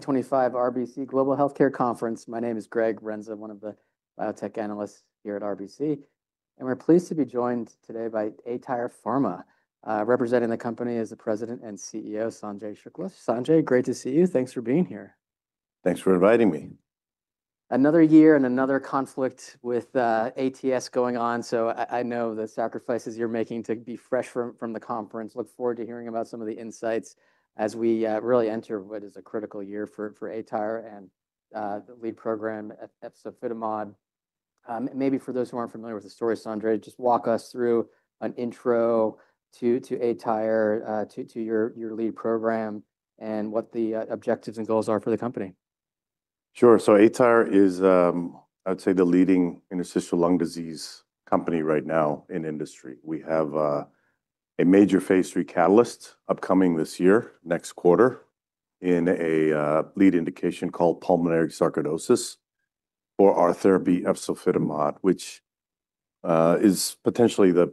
2025 RBC Global Healthcare Conference. My name is Greg Renza, one of the biotech analysts here at RBC, and we're pleased to be joined today by aTyr Pharma, representing the company as the President and CEO, Sanjay Shukla. Sanjay, great to see you. Thanks for being here. Thanks for inviting me. Another year and another conflict with ATS going on, so I know the sacrifices you're making to be fresh from the conference. Look forward to hearing about some of the insights as we really enter what is a critical year for aTyr and the lead program, efzofitimod. Maybe for those who aren't familiar with the story, Sanjay, just walk us through an intro to aTyr, to your lead program, and what the objectives and goals are for the company. Sure. ATyr is, I'd say, the leading interstitial lung disease company right now in industry. We have a major phase III catalyst upcoming this year, next quarter, in a lead indication called pulmonary sarcoidosis for our therapy, efzofitimod, which is potentially the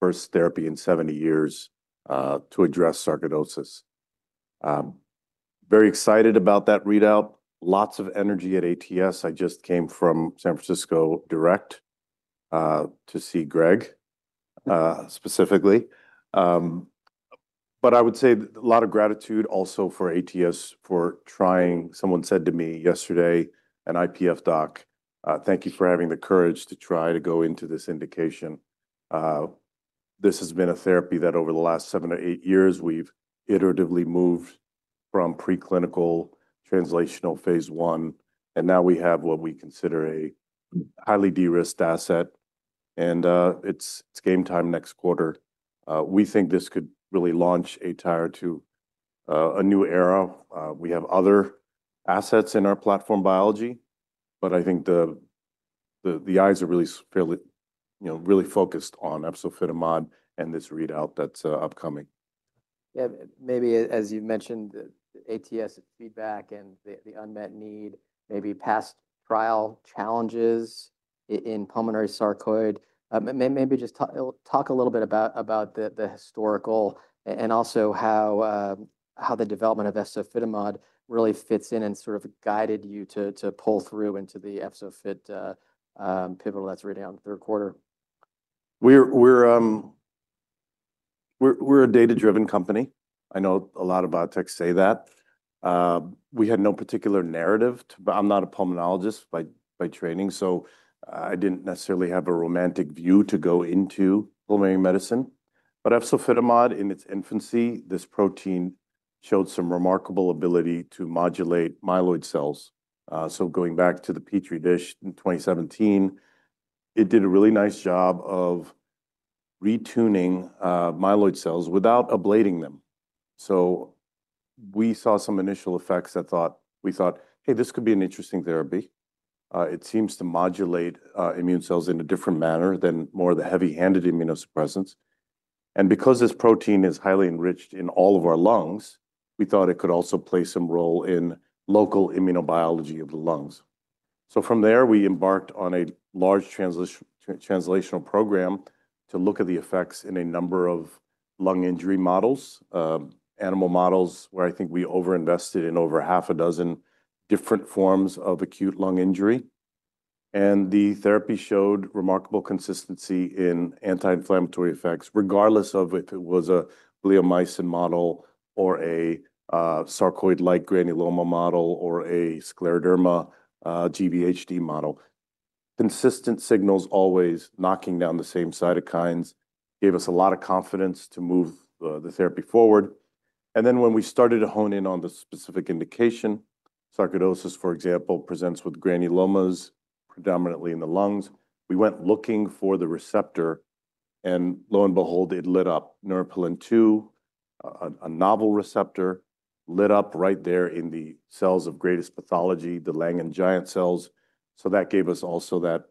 first therapy in 70 years to address sarcoidosis. Very excited about that readout. Lots of energy at ATS. I just came from San Francisco direct to see Greg specifically. I would say a lot of gratitude also for ATS for trying. Someone said to me yesterday, an IPF doc, "Thank you for having the courage to try to go into this indication." This has been a therapy that over the last seven or eight years, we've iteratively moved from preclinical translational phase I, and now we have what we consider a highly de-risked asset, and it's game time next quarter. We think this could really launch aTyr to a new era. We have other assets in our platform biology, but I think the eyes are really fairly, you know, really focused on efzofitimod and this readout that's upcoming. Yeah, maybe, as you mentioned, ATS feedback and the unmet need, maybe past trial challenges in pulmonary sarcoidosis. Maybe just talk a little bit about the historical and also how the development of efzofitimod really fits in and sort of guided you to pull through into the EFZO-FIT pivotal that's ready on the third quarter. We're a data-driven company. I know a lot of biotech say that. We had no particular narrative, but I'm not a pulmonologist by training, so I didn't necessarily have a romantic view to go into pulmonary medicine. But efzofitimod, in its infancy, this protein showed some remarkable ability to modulate myeloid cells. Going back to the petri dish in 2017, it did a really nice job of retuning myeloid cells without ablating them. We saw some initial effects that we thought, "Hey, this could be an interesting therapy." It seems to modulate immune cells in a different manner than more of the heavy-handed immunosuppressants. Because this protein is highly enriched in all of our lungs, we thought it could also play some role in local immunobiology of the lungs. From there, we embarked on a large translational program to look at the effects in a number of lung injury models, animal models, where I think we overinvested in over half a dozen different forms of acute lung injury. The therapy showed remarkable consistency in anti-inflammatory effects, regardless of if it was a bleomycin model or a sarcoid-like granuloma model or a scleroderma GvHD model. Consistent signals always knocking down the same cytokines gave us a lot of confidence to move the therapy forward. When we started to hone in on the specific indication, sarcoidosis, for example, presents with granulomas predominantly in the lungs. We went looking for the receptor, and lo and behold, it lit up. Neuropilin-2, a novel receptor, lit up right there in the cells of greatest pathology, the Langhans giant cells. That gave us also that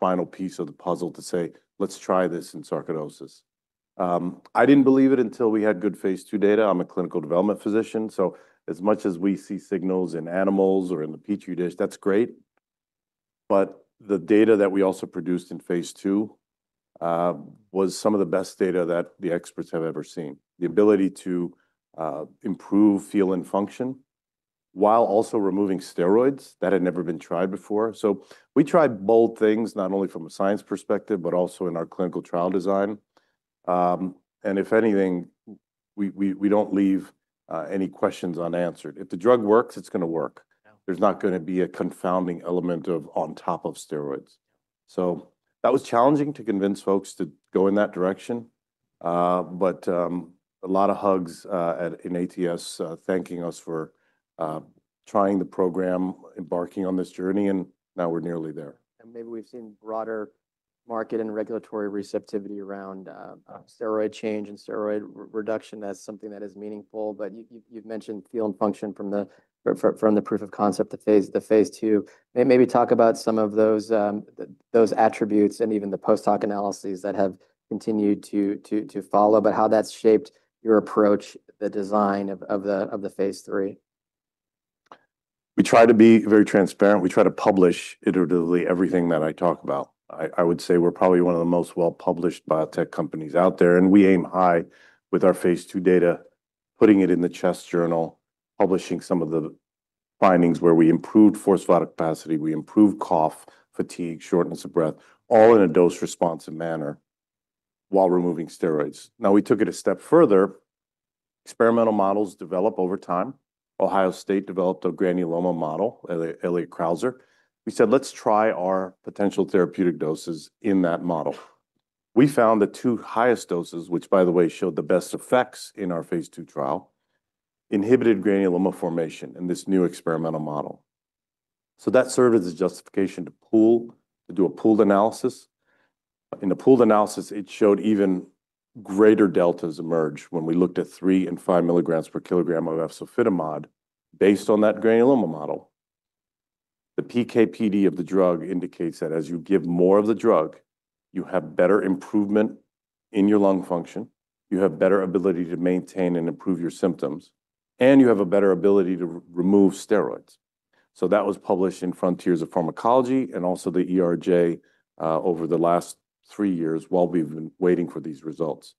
final piece of the puzzle to say, "Let's try this in sarcoidosis." I didn't believe it until we had good phase II data. I'm a clinical development physician, so as much as we see signals in animals or in the petri dish, that's great. The data that we also produced in phase II was some of the best data that the experts have ever seen. The ability to improve feel and function while also removing steroids, that had never been tried before. We tried bold things, not only from a science perspective, but also in our clinical trial design. If anything, we don't leave any questions unanswered. If the drug works, it's going to work. There's not going to be a confounding element of on top of steroids. That was challenging to convince folks to go in that direction, but a lot of hugs in ATS thanking us for trying the program, embarking on this journey, and now we're nearly there. Maybe we've seen broader market and regulatory receptivity around steroid change and steroid reduction as something that is meaningful. You've mentioned feel and function from the proof of concept, the phase II. Maybe talk about some of those attributes and even the post-hoc analyses that have continued to follow, but how that's shaped your approach, the design of the phase III. We try to be very transparent. We try to publish iteratively everything that I talk about. I would say we're probably one of the most well-published biotech companies out there, and we aim high with our phase II data, putting it in the CHEST journal, publishing some of the findings where we improved forced vital capacity, we improved cough, fatigue, shortness of breath, all in a dose-responsive manner while removing steroids. Now, we took it a step further. Experimental models develop over time. Ohio State developed a granuloma model, Elliott Crouser. We said, "Let's try our potential therapeutic doses in that model." We found the two highest doses, which, by the way, showed the best effects in our phase II trial, inhibited granuloma formation in this new experimental model. That served as a justification to do a pooled analysis. In the pooled analysis, it showed even greater deltas emerge when we looked at 3 mg and 5 mg per kg of efzofitimod based on that granuloma model. The PK/PD of the drug indicates that as you give more of the drug, you have better improvement in your lung function, you have better ability to maintain and improve your symptoms, and you have a better ability to remove steroids. That was published in Frontiers of Pharmacology and also the ERJ over the last three years while we've been waiting for these results.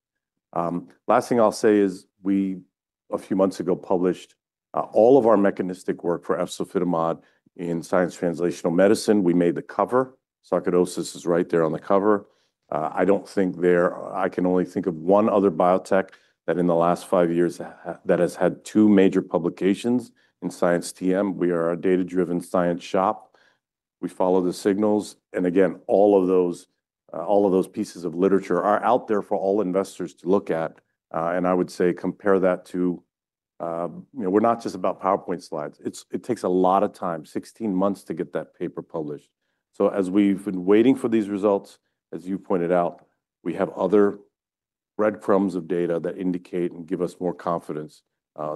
Last thing I'll say is we, a few months ago, published all of our mechanistic work for efzofitimod in Science Translational Medicine. We made the cover. Sarcoidosis is right there on the cover. I don't think there—I can only think of one other biotech that in the last five years that has had two major publications in Science TM. We are a data-driven science shop. We follow the signals. Again, all of those pieces of literature are out there for all investors to look at. I would say compare that to, you know, we're not just about PowerPoint slides. It takes a lot of time, 16 months to get that paper published. As we've been waiting for these results, as you pointed out, we have other breadcrumbs of data that indicate and give us more confidence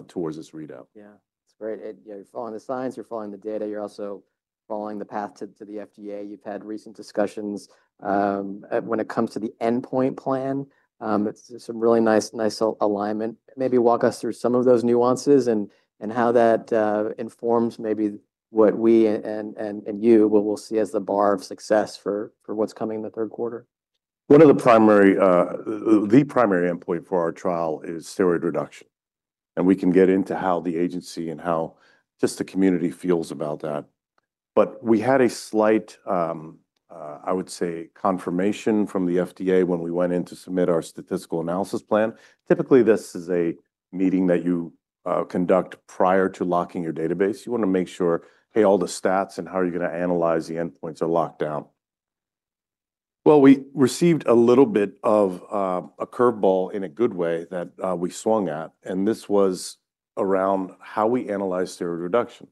towards this readout. Yeah, that's great. You're following the science, you're following the data, you're also following the path to the FDA. You've had recent discussions when it comes to the endpoint plan. It's some really nice alignment. Maybe walk us through some of those nuances and how that informs maybe what we and you will see as the bar of success for what's coming in the third quarter. One of the primary—the primary endpoint for our trial is steroid reduction. We can get into how the agency and how just the community feels about that. We had a slight, I would say, confirmation from the FDA when we went in to submit our statistical analysis plan. Typically, this is a meeting that you conduct prior to locking your database. You want to make sure, hey, all the stats and how are you going to analyze the endpoints are locked down. We received a little bit of a curveball in a good way that we swung at, and this was around how we analyze steroid reduction.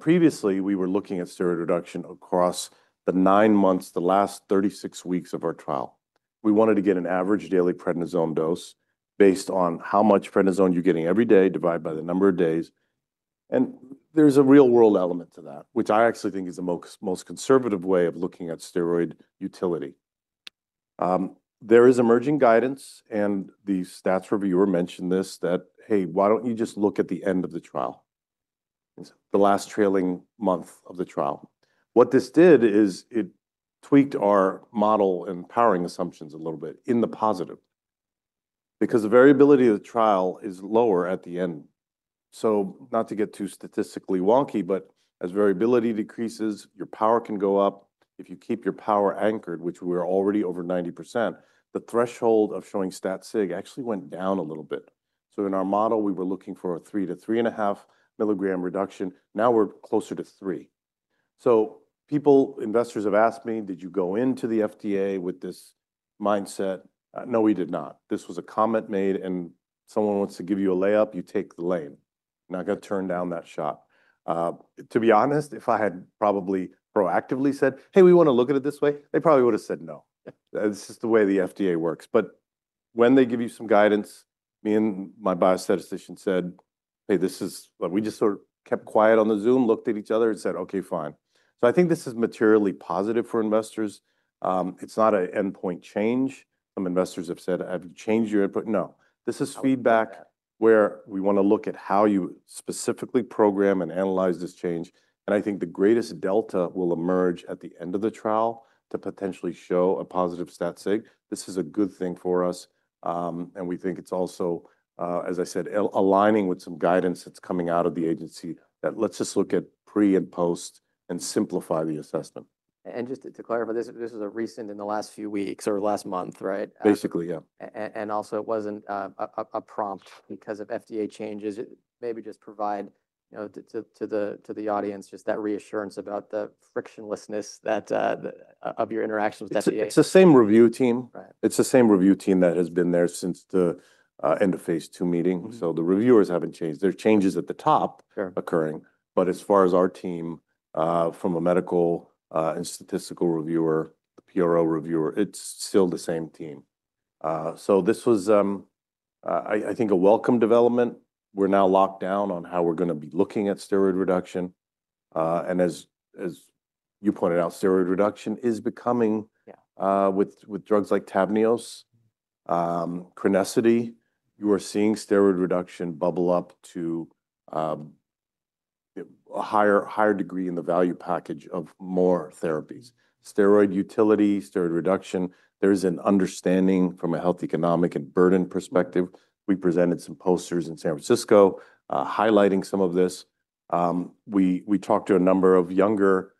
Previously, we were looking at steroid reduction across the nine months, the last 36 weeks of our trial. We wanted to get an average daily prednisone dose based on how much prednisone you're getting every day divided by the number of days. There's a real-world element to that, which I actually think is the most conservative way of looking at steroid utility. There is emerging guidance, and the stats reviewer mentioned this that, hey, why don't you just look at the end of the trial, the last trailing month of the trial. What this did is it tweaked our model and powering assumptions a little bit in the positive because the variability of the trial is lower at the end. Not to get too statistically wonky, but as variability decreases, your power can go up. If you keep your power anchored, which we were already over 90%, the threshold of showing stat sig actually went down a little bit. In our model, we were looking for a 3 mg-3.5 mg reduction. Now we're closer to 3. People, investors have asked me, did you go into the FDA with this mindset? No, we did not. This was a comment made, and someone wants to give you a layup, you take the lane. Now, I got to turn down that shot. To be honest, if I had probably proactively said, "Hey, we want to look at it this way," they probably would have said no. It's just the way the FDA works. When they give you some guidance, me and my biostatistician said, "Hey, this is what we just sort of kept quiet on the Zoom, looked at each other and said, 'Okay, fine.'" I think this is materially positive for investors. It's not an endpoint change. Some investors have said, "Have you changed your input?" No, this is feedback where we want to look at how you specifically program and analyze this change. I think the greatest delta will emerge at the end of the trial to potentially show a positive stat sig. This is a good thing for us. We think it's also, as I said, aligning with some guidance that's coming out of the agency that lets us look at pre and post and simplify the assessment. Just to clarify, this is a recent in the last few weeks or last month, right? Basically, yeah. It also was not a prompt because of FDA changes. Maybe just provide to the audience that reassurance about the frictionlessness of your interactions with FDA. It's the same review team. It's the same review team that has been there since the end of phase II meeting. The reviewers haven't changed. There are changes at the top occurring. As far as our team from a medical and statistical reviewer, the PRO reviewer, it's still the same team. This was, I think, a welcome development. We're now locked down on how we're going to be looking at steroid reduction. As you pointed out, steroid reduction is becoming, with drugs like TAVNEOS, ChemoCentryx, you are seeing steroid reduction bubble up to a higher degree in the value package of more therapies. Steroid utility, steroid reduction, there is an understanding from a health economic and burden perspective. We presented some posters in San Francisco highlighting some of this. We talked to a number of younger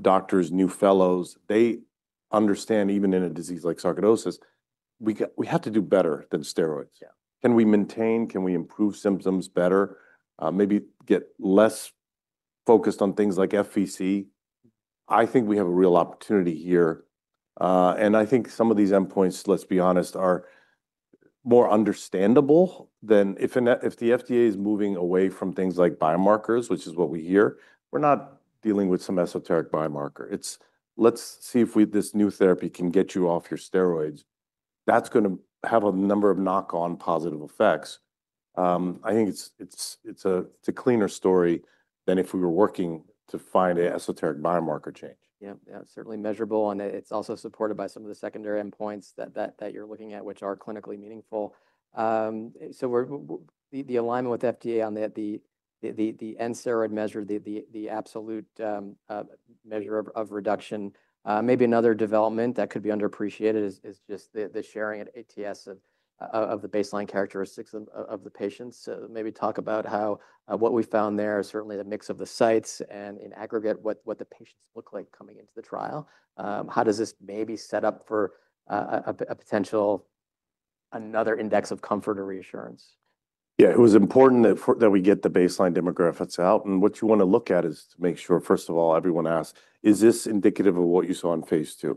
doctors, new fellows. They understand even in a disease like sarcoidosis, we have to do better than steroids. Can we maintain, can we improve symptoms better, maybe get less focused on things like FVC? I think we have a real opportunity here. I think some of these endpoints, let's be honest, are more understandable than if the FDA is moving away from things like biomarkers, which is what we hear, we're not dealing with some esoteric biomarker. It's, let's see if this new therapy can get you off your steroids. That's going to have a number of knock-on positive effects. I think it's a cleaner story than if we were working to find an esoteric biomarker change. Yep, yeah, certainly measurable. It's also supported by some of the secondary endpoints that you're looking at, which are clinically meaningful. The alignment with FDA on the N-steroid measure, the absolute measure of reduction, maybe another development that could be underappreciated is just the sharing at ATS of the baseline characteristics of the patients. Maybe talk about how what we found there is certainly a mix of the sites and in aggregate what the patients look like coming into the trial. How does this maybe set up for a potential another index of comfort or reassurance? Yeah, it was important that we get the baseline demographics out. What you want to look at is to make sure, first of all, everyone asks, is this indicative of what you saw in phase II?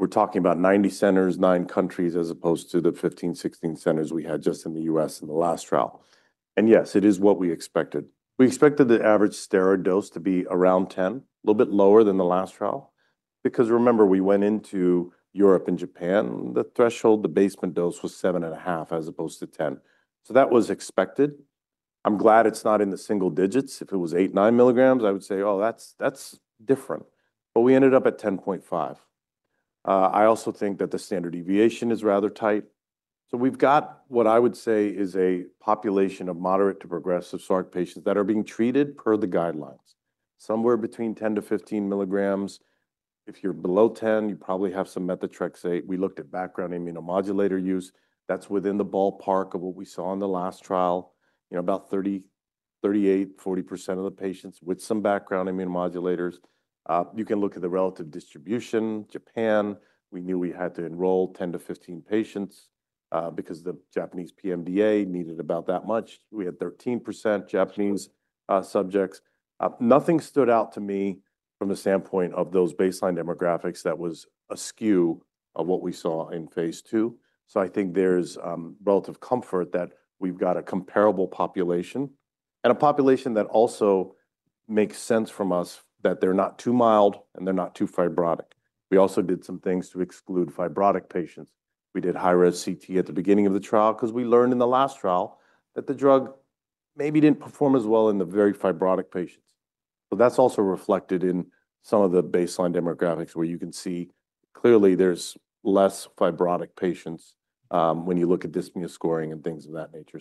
We're talking about 90 centers, nine countries, as opposed to the 15-16 centers we had just in the U.S. in the last trial. Yes, it is what we expected. We expected the average steroid dose to be around 10, a little bit lower than the last trial. Because remember, we went into Europe and Japan, the threshold, the basement dose was 7.5 as opposed to 10. That was expected. I'm glad it's not in the single digits. If it was 8 mg-9 mg, I would say, "Oh, that's different." We ended up at 10.5. I also think that the standard deviation is rather tight. We've got what I would say is a population of moderate to progressive sarc patients that are being treated per the guidelines. Somewhere between 10 mg-15 mg. If you're below 10, you probably have some methotrexate. We looked at background immunomodulator use. That's within the ballpark of what we saw in the last trial, you know, about 30%, 38%, 40% of the patients with some background immunomodulators. You can look at the relative distribution. Japan, we knew we had to enroll 10-15 patients because the Japanese PMDA needed about that much. We had 13% Japanese subjects. Nothing stood out to me from the standpoint of those baseline demographics that was askew of what we saw in phase II. I think there's relative comfort that we've got a comparable population and a population that also makes sense from us that they're not too mild and they're not too fibrotic. We also did some things to exclude fibrotic patients. We did high-res CT at the beginning of the trial because we learned in the last trial that the drug maybe didn't perform as well in the very fibrotic patients. That's also reflected in some of the baseline demographics where you can see clearly there's less fibrotic patients when you look at dyspnea scoring and things of that nature.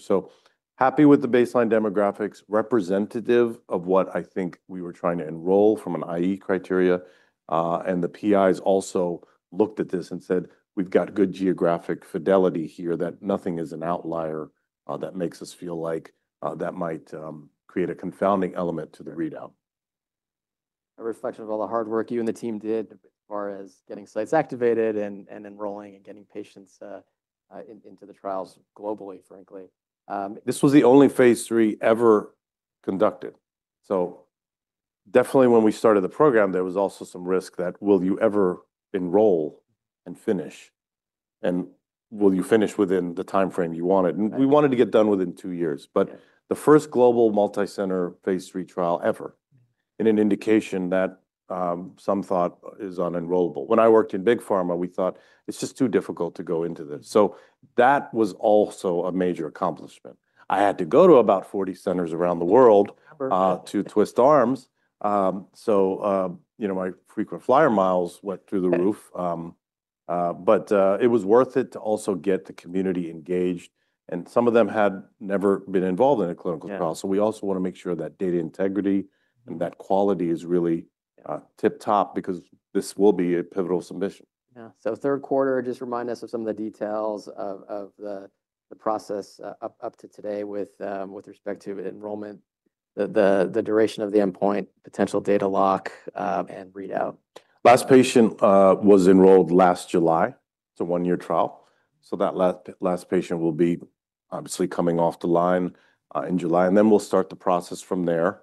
Happy with the baseline demographics representative of what I think we were trying to enroll from an IE criteria. The PIs also looked at this and said, "We've got good geographic fidelity here that nothing is an outlier that makes us feel like that might create a confounding element to the readout. A reflection of all the hard work you and the team did as far as getting sites activated and enrolling and getting patients into the trials globally, frankly. This was the only phase III ever conducted. So definitely when we started the program, there was also some risk that will you ever enroll and finish? And will you finish within the timeframe you wanted? And we wanted to get done within two years, but the first global multi-center phase III trial ever in an indication that some thought is unenrollable. When I worked in big pharma, we thought it's just too difficult to go into this. So that was also a major accomplishment. I had to go to about 40 centers around the world to twist arms. So, you know, my frequent flyer miles went through the roof. But it was worth it to also get the community engaged. And some of them had never been involved in a clinical trial. We also want to make sure that data integrity and that quality is really tip-top because this will be a pivotal submission. Yeah. Third quarter, just remind us of some of the details of the process up to today with respect to enrollment, the duration of the endpoint, potential data lock, and readout. Last patient was enrolled last July. It's a one-year trial. That last patient will be obviously coming off the line in July. We will start the process from there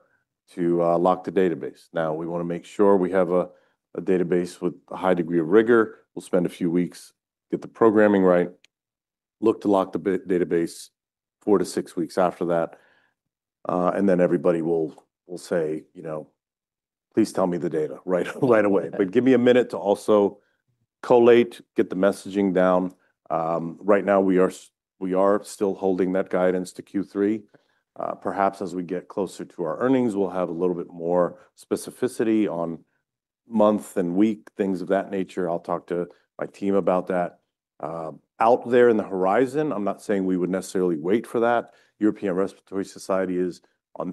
to lock the database. Now, we want to make sure we have a database with a high degree of rigor. We'll spend a few weeks, get the programming right, look to lock the database four to six weeks after that. Everybody will say, you know, please tell me the data right away. Give me a minute to also collate, get the messaging down. Right now, we are still holding that guidance to Q3. Perhaps as we get closer to our earnings, we'll have a little bit more specificity on month and week, things of that nature. I'll talk to my team about that. Out there in the horizon, I'm not saying we would necessarily wait for that. European Respiratory Society is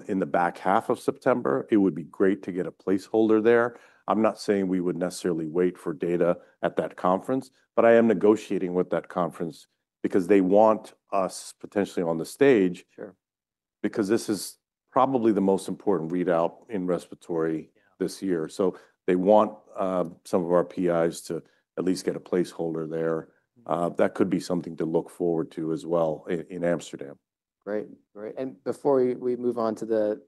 in the back half of September. It would be great to get a placeholder there. I'm not saying we would necessarily wait for data at that conference, but I am negotiating with that conference because they want us potentially on the stage because this is probably the most important readout in respiratory this year. They want some of our PIs to at least get a placeholder there. That could be something to look forward to as well in Amsterdam. Great. Great. Before we move on to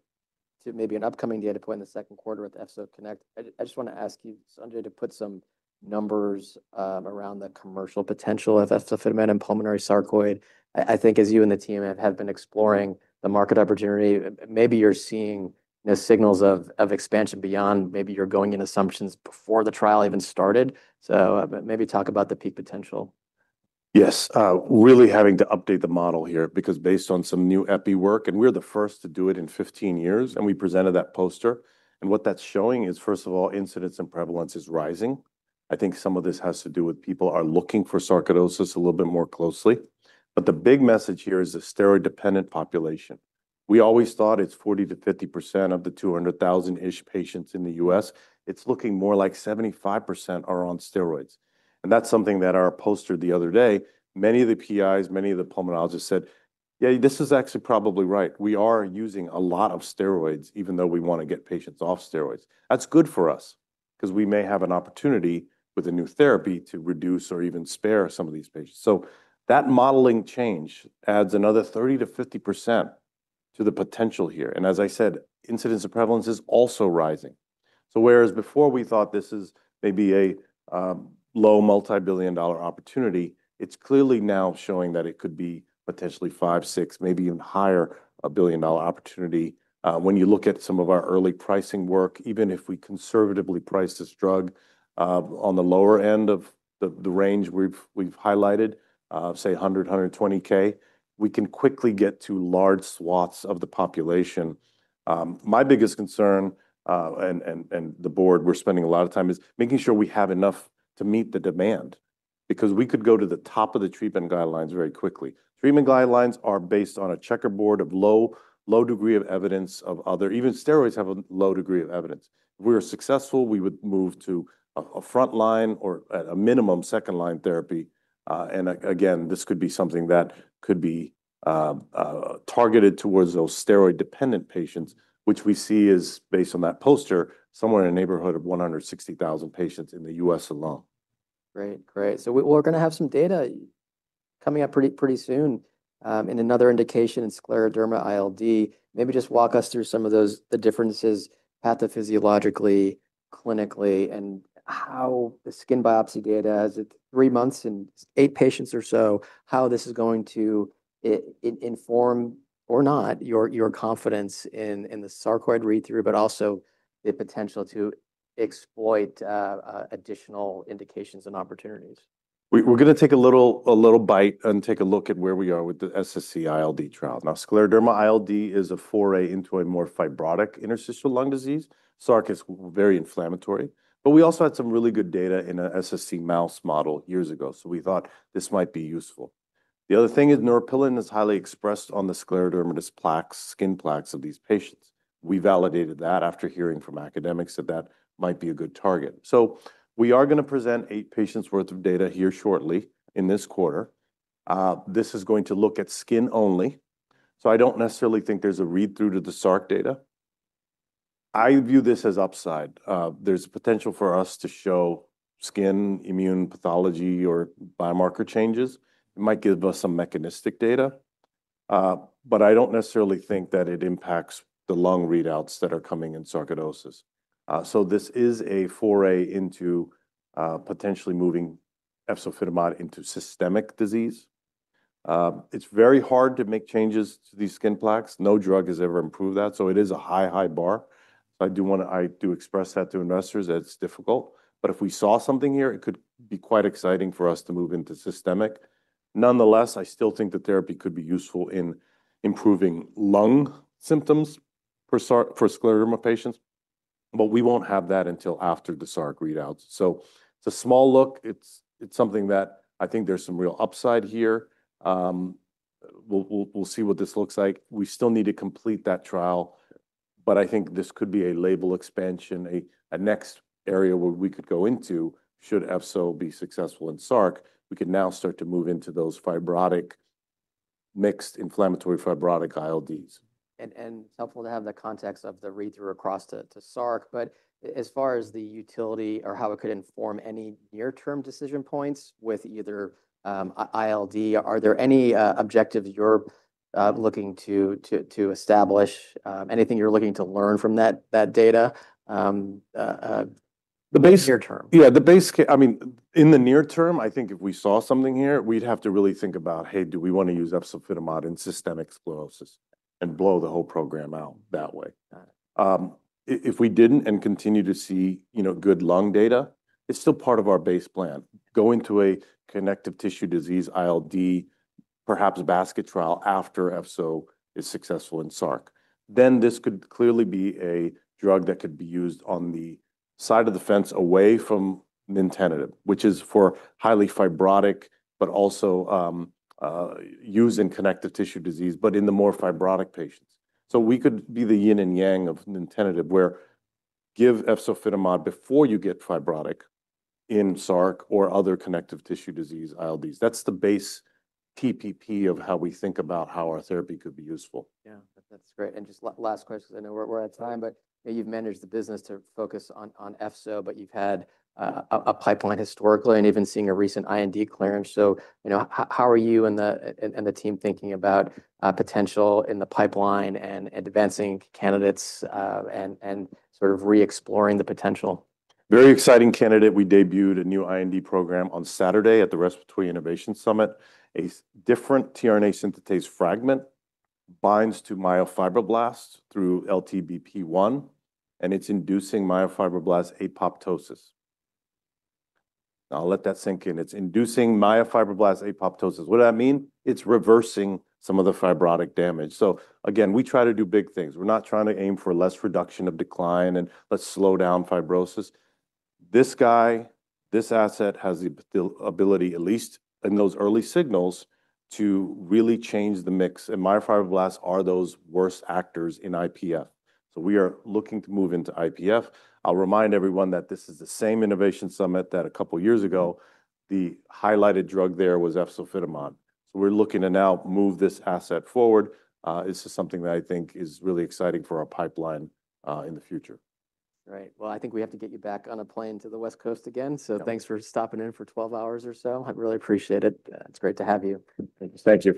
maybe an upcoming data point in the second quarter with EFZO-CONNECT, I just want to ask you, Sanjay, to put some numbers around the commercial potential of efzofitimod and pulmonary sarcoidosis. I think as you and the team have been exploring the market opportunity, maybe you're seeing signals of expansion beyond maybe your going-in assumptions before the trial even started. Maybe talk about the peak potential. Yes. Really having to update the model here because based on some new EPI work, and we're the first to do it in 15 years, and we presented that poster. What that's showing is, first of all, incidence and prevalence is rising. I think some of this has to do with people are looking for sarcoidosis a little bit more closely. The big message here is the steroid-dependent population. We always thought it's 40%-50% of the 200,000-ish patients in the U.S. It's looking more like 75% are on steroids. That's something that our poster the other day, many of the PIs, many of the pulmonologists said, "Yeah, this is actually probably right. We are using a lot of steroids, even though we want to get patients off steroids. That's good for us because we may have an opportunity with a new therapy to reduce or even spare some of these patients. That modeling change adds another 30%-50% to the potential here. As I said, incidence and prevalence is also rising. Whereas before we thought this is maybe a low multi-billion dollar opportunity, it's clearly now showing that it could be potentially five, six, maybe even higher, a billion dollar opportunity. When you look at some of our early pricing work, even if we conservatively price this drug on the lower end of the range we've highlighted, say $100,000, $120,000, we can quickly get to large swaths of the population. My biggest concern and the board we're spending a lot of time is making sure we have enough to meet the demand because we could go to the top of the treatment guidelines very quickly. Treatment guidelines are based on a checkerboard of low degree of evidence of other, even steroids have a low degree of evidence. If we were successful, we would move to a front line or at a minimum second line therapy. Again, this could be something that could be targeted towards those steroid-dependent patients, which we see is based on that poster, somewhere in a neighborhood of 160,000 patients in the U.S. alone. Great. Great. We're going to have some data coming up pretty soon in another indication in scleroderma ILD. Maybe just walk us through some of the differences pathophysiologically, clinically, and how the skin biopsy data has three months and eight patients or so, how this is going to inform or not your confidence in the sarcoid read-through, but also the potential to exploit additional indications and opportunities. We're going to take a little bite and take a look at where we are with the SSc-ILD trial. Now, scleroderma ILD is a foray into a more fibrotic interstitial lung disease. Sarc is very inflammatory. We also had some really good data in an SSc mouse model years ago. We thought this might be useful. The other thing is neuropilin is highly expressed on the scleroderma skin plaques of these patients. We validated that after hearing from academics that that might be a good target. We are going to present eight patients' worth of data here shortly in this quarter. This is going to look at skin only. I do not necessarily think there is a read-through to the sarc data. I view this as upside. There is potential for us to show skin immune pathology or biomarker changes. It might give us some mechanistic data. But I don't necessarily think that it impacts the lung readouts that are coming in sarcoidosis. This is a foray into potentially moving efzofitimod into systemic disease. It's very hard to make changes to these skin plaques. No drug has ever improved that. It is a high, high bar. I do express that to investors. It's difficult. If we saw something here, it could be quite exciting for us to move into systemic. Nonetheless, I still think the therapy could be useful in improving lung symptoms for scleroderma patients. We won't have that until after the sarcoidosis readouts. It's a small look. It's something that I think there's some real upside here. We'll see what this looks like. We still need to complete that trial. I think this could be a label expansion, a next area where we could go into should efzofitimod be successful in sarcoidosis. We could now start to move into those fibrotic mixed inflammatory fibrotic ILDs. It's helpful to have the context of the read-through across to sarc. As far as the utility or how it could inform any near-term decision points with either ILD, are there any objectives you're looking to establish? Anything you're looking to learn from that data near term? Yeah, the base, I mean, in the near term, I think if we saw something here, we'd have to really think about, "Hey, do we want to use efzofitimod in systemic sclerosis and blow the whole program out that way?" If we didn't and continue to see good lung data, it's still part of our base plan. Go into a connective tissue disease ILD, perhaps a basket trial after efzofitimod is successful in sarcoidosis. Then this could clearly be a drug that could be used on the side of the fence away from nintedanib, which is for highly fibrotic, but also used in connective tissue disease, but in the more fibrotic patients. We could be the yin and yang of nintedanib where you give efzofitimod before you get fibrotic in sarcoidosis or other connective tissue disease ILDs. That's the base TPP of how we think about how our therapy could be useful. Yeah. That's great. Just last question because I know we're at time, but you've managed the business to focus on efzofitimod, but you've had a pipeline historically and even seeing a recent IND clearance. How are you and the team thinking about potential in the pipeline and advancing candidates and sort of re-exploring the potential? Very exciting candidate. We debuted a new IND program on Saturday at the Respiratory Innovation Summit. A different tRNA synthetase fragment binds to myofibroblasts through LTBP-1, and it's inducing myofibroblast apoptosis. I'll let that sink in. It's inducing myofibroblast apoptosis. What does that mean? It's reversing some of the fibrotic damage. Again, we try to do big things. We're not trying to aim for less reduction of decline and let's slow down fibrosis. This guy, this asset has the ability, at least in those early signals, to really change the mix. Myofibroblasts are those worst actors in IPF. We are looking to move into IPF. I'll remind everyone that this is the same innovation summit that a couple of years ago, the highlighted drug there was efzofitimod. We're looking to now move this asset forward. This is something that I think is really exciting for our pipeline in the future. Great. I think we have to get you back on a plane to the West Coast again. Thanks for stopping in for 12 hours or so. I really appreciate it. It's great to have you. Thank you.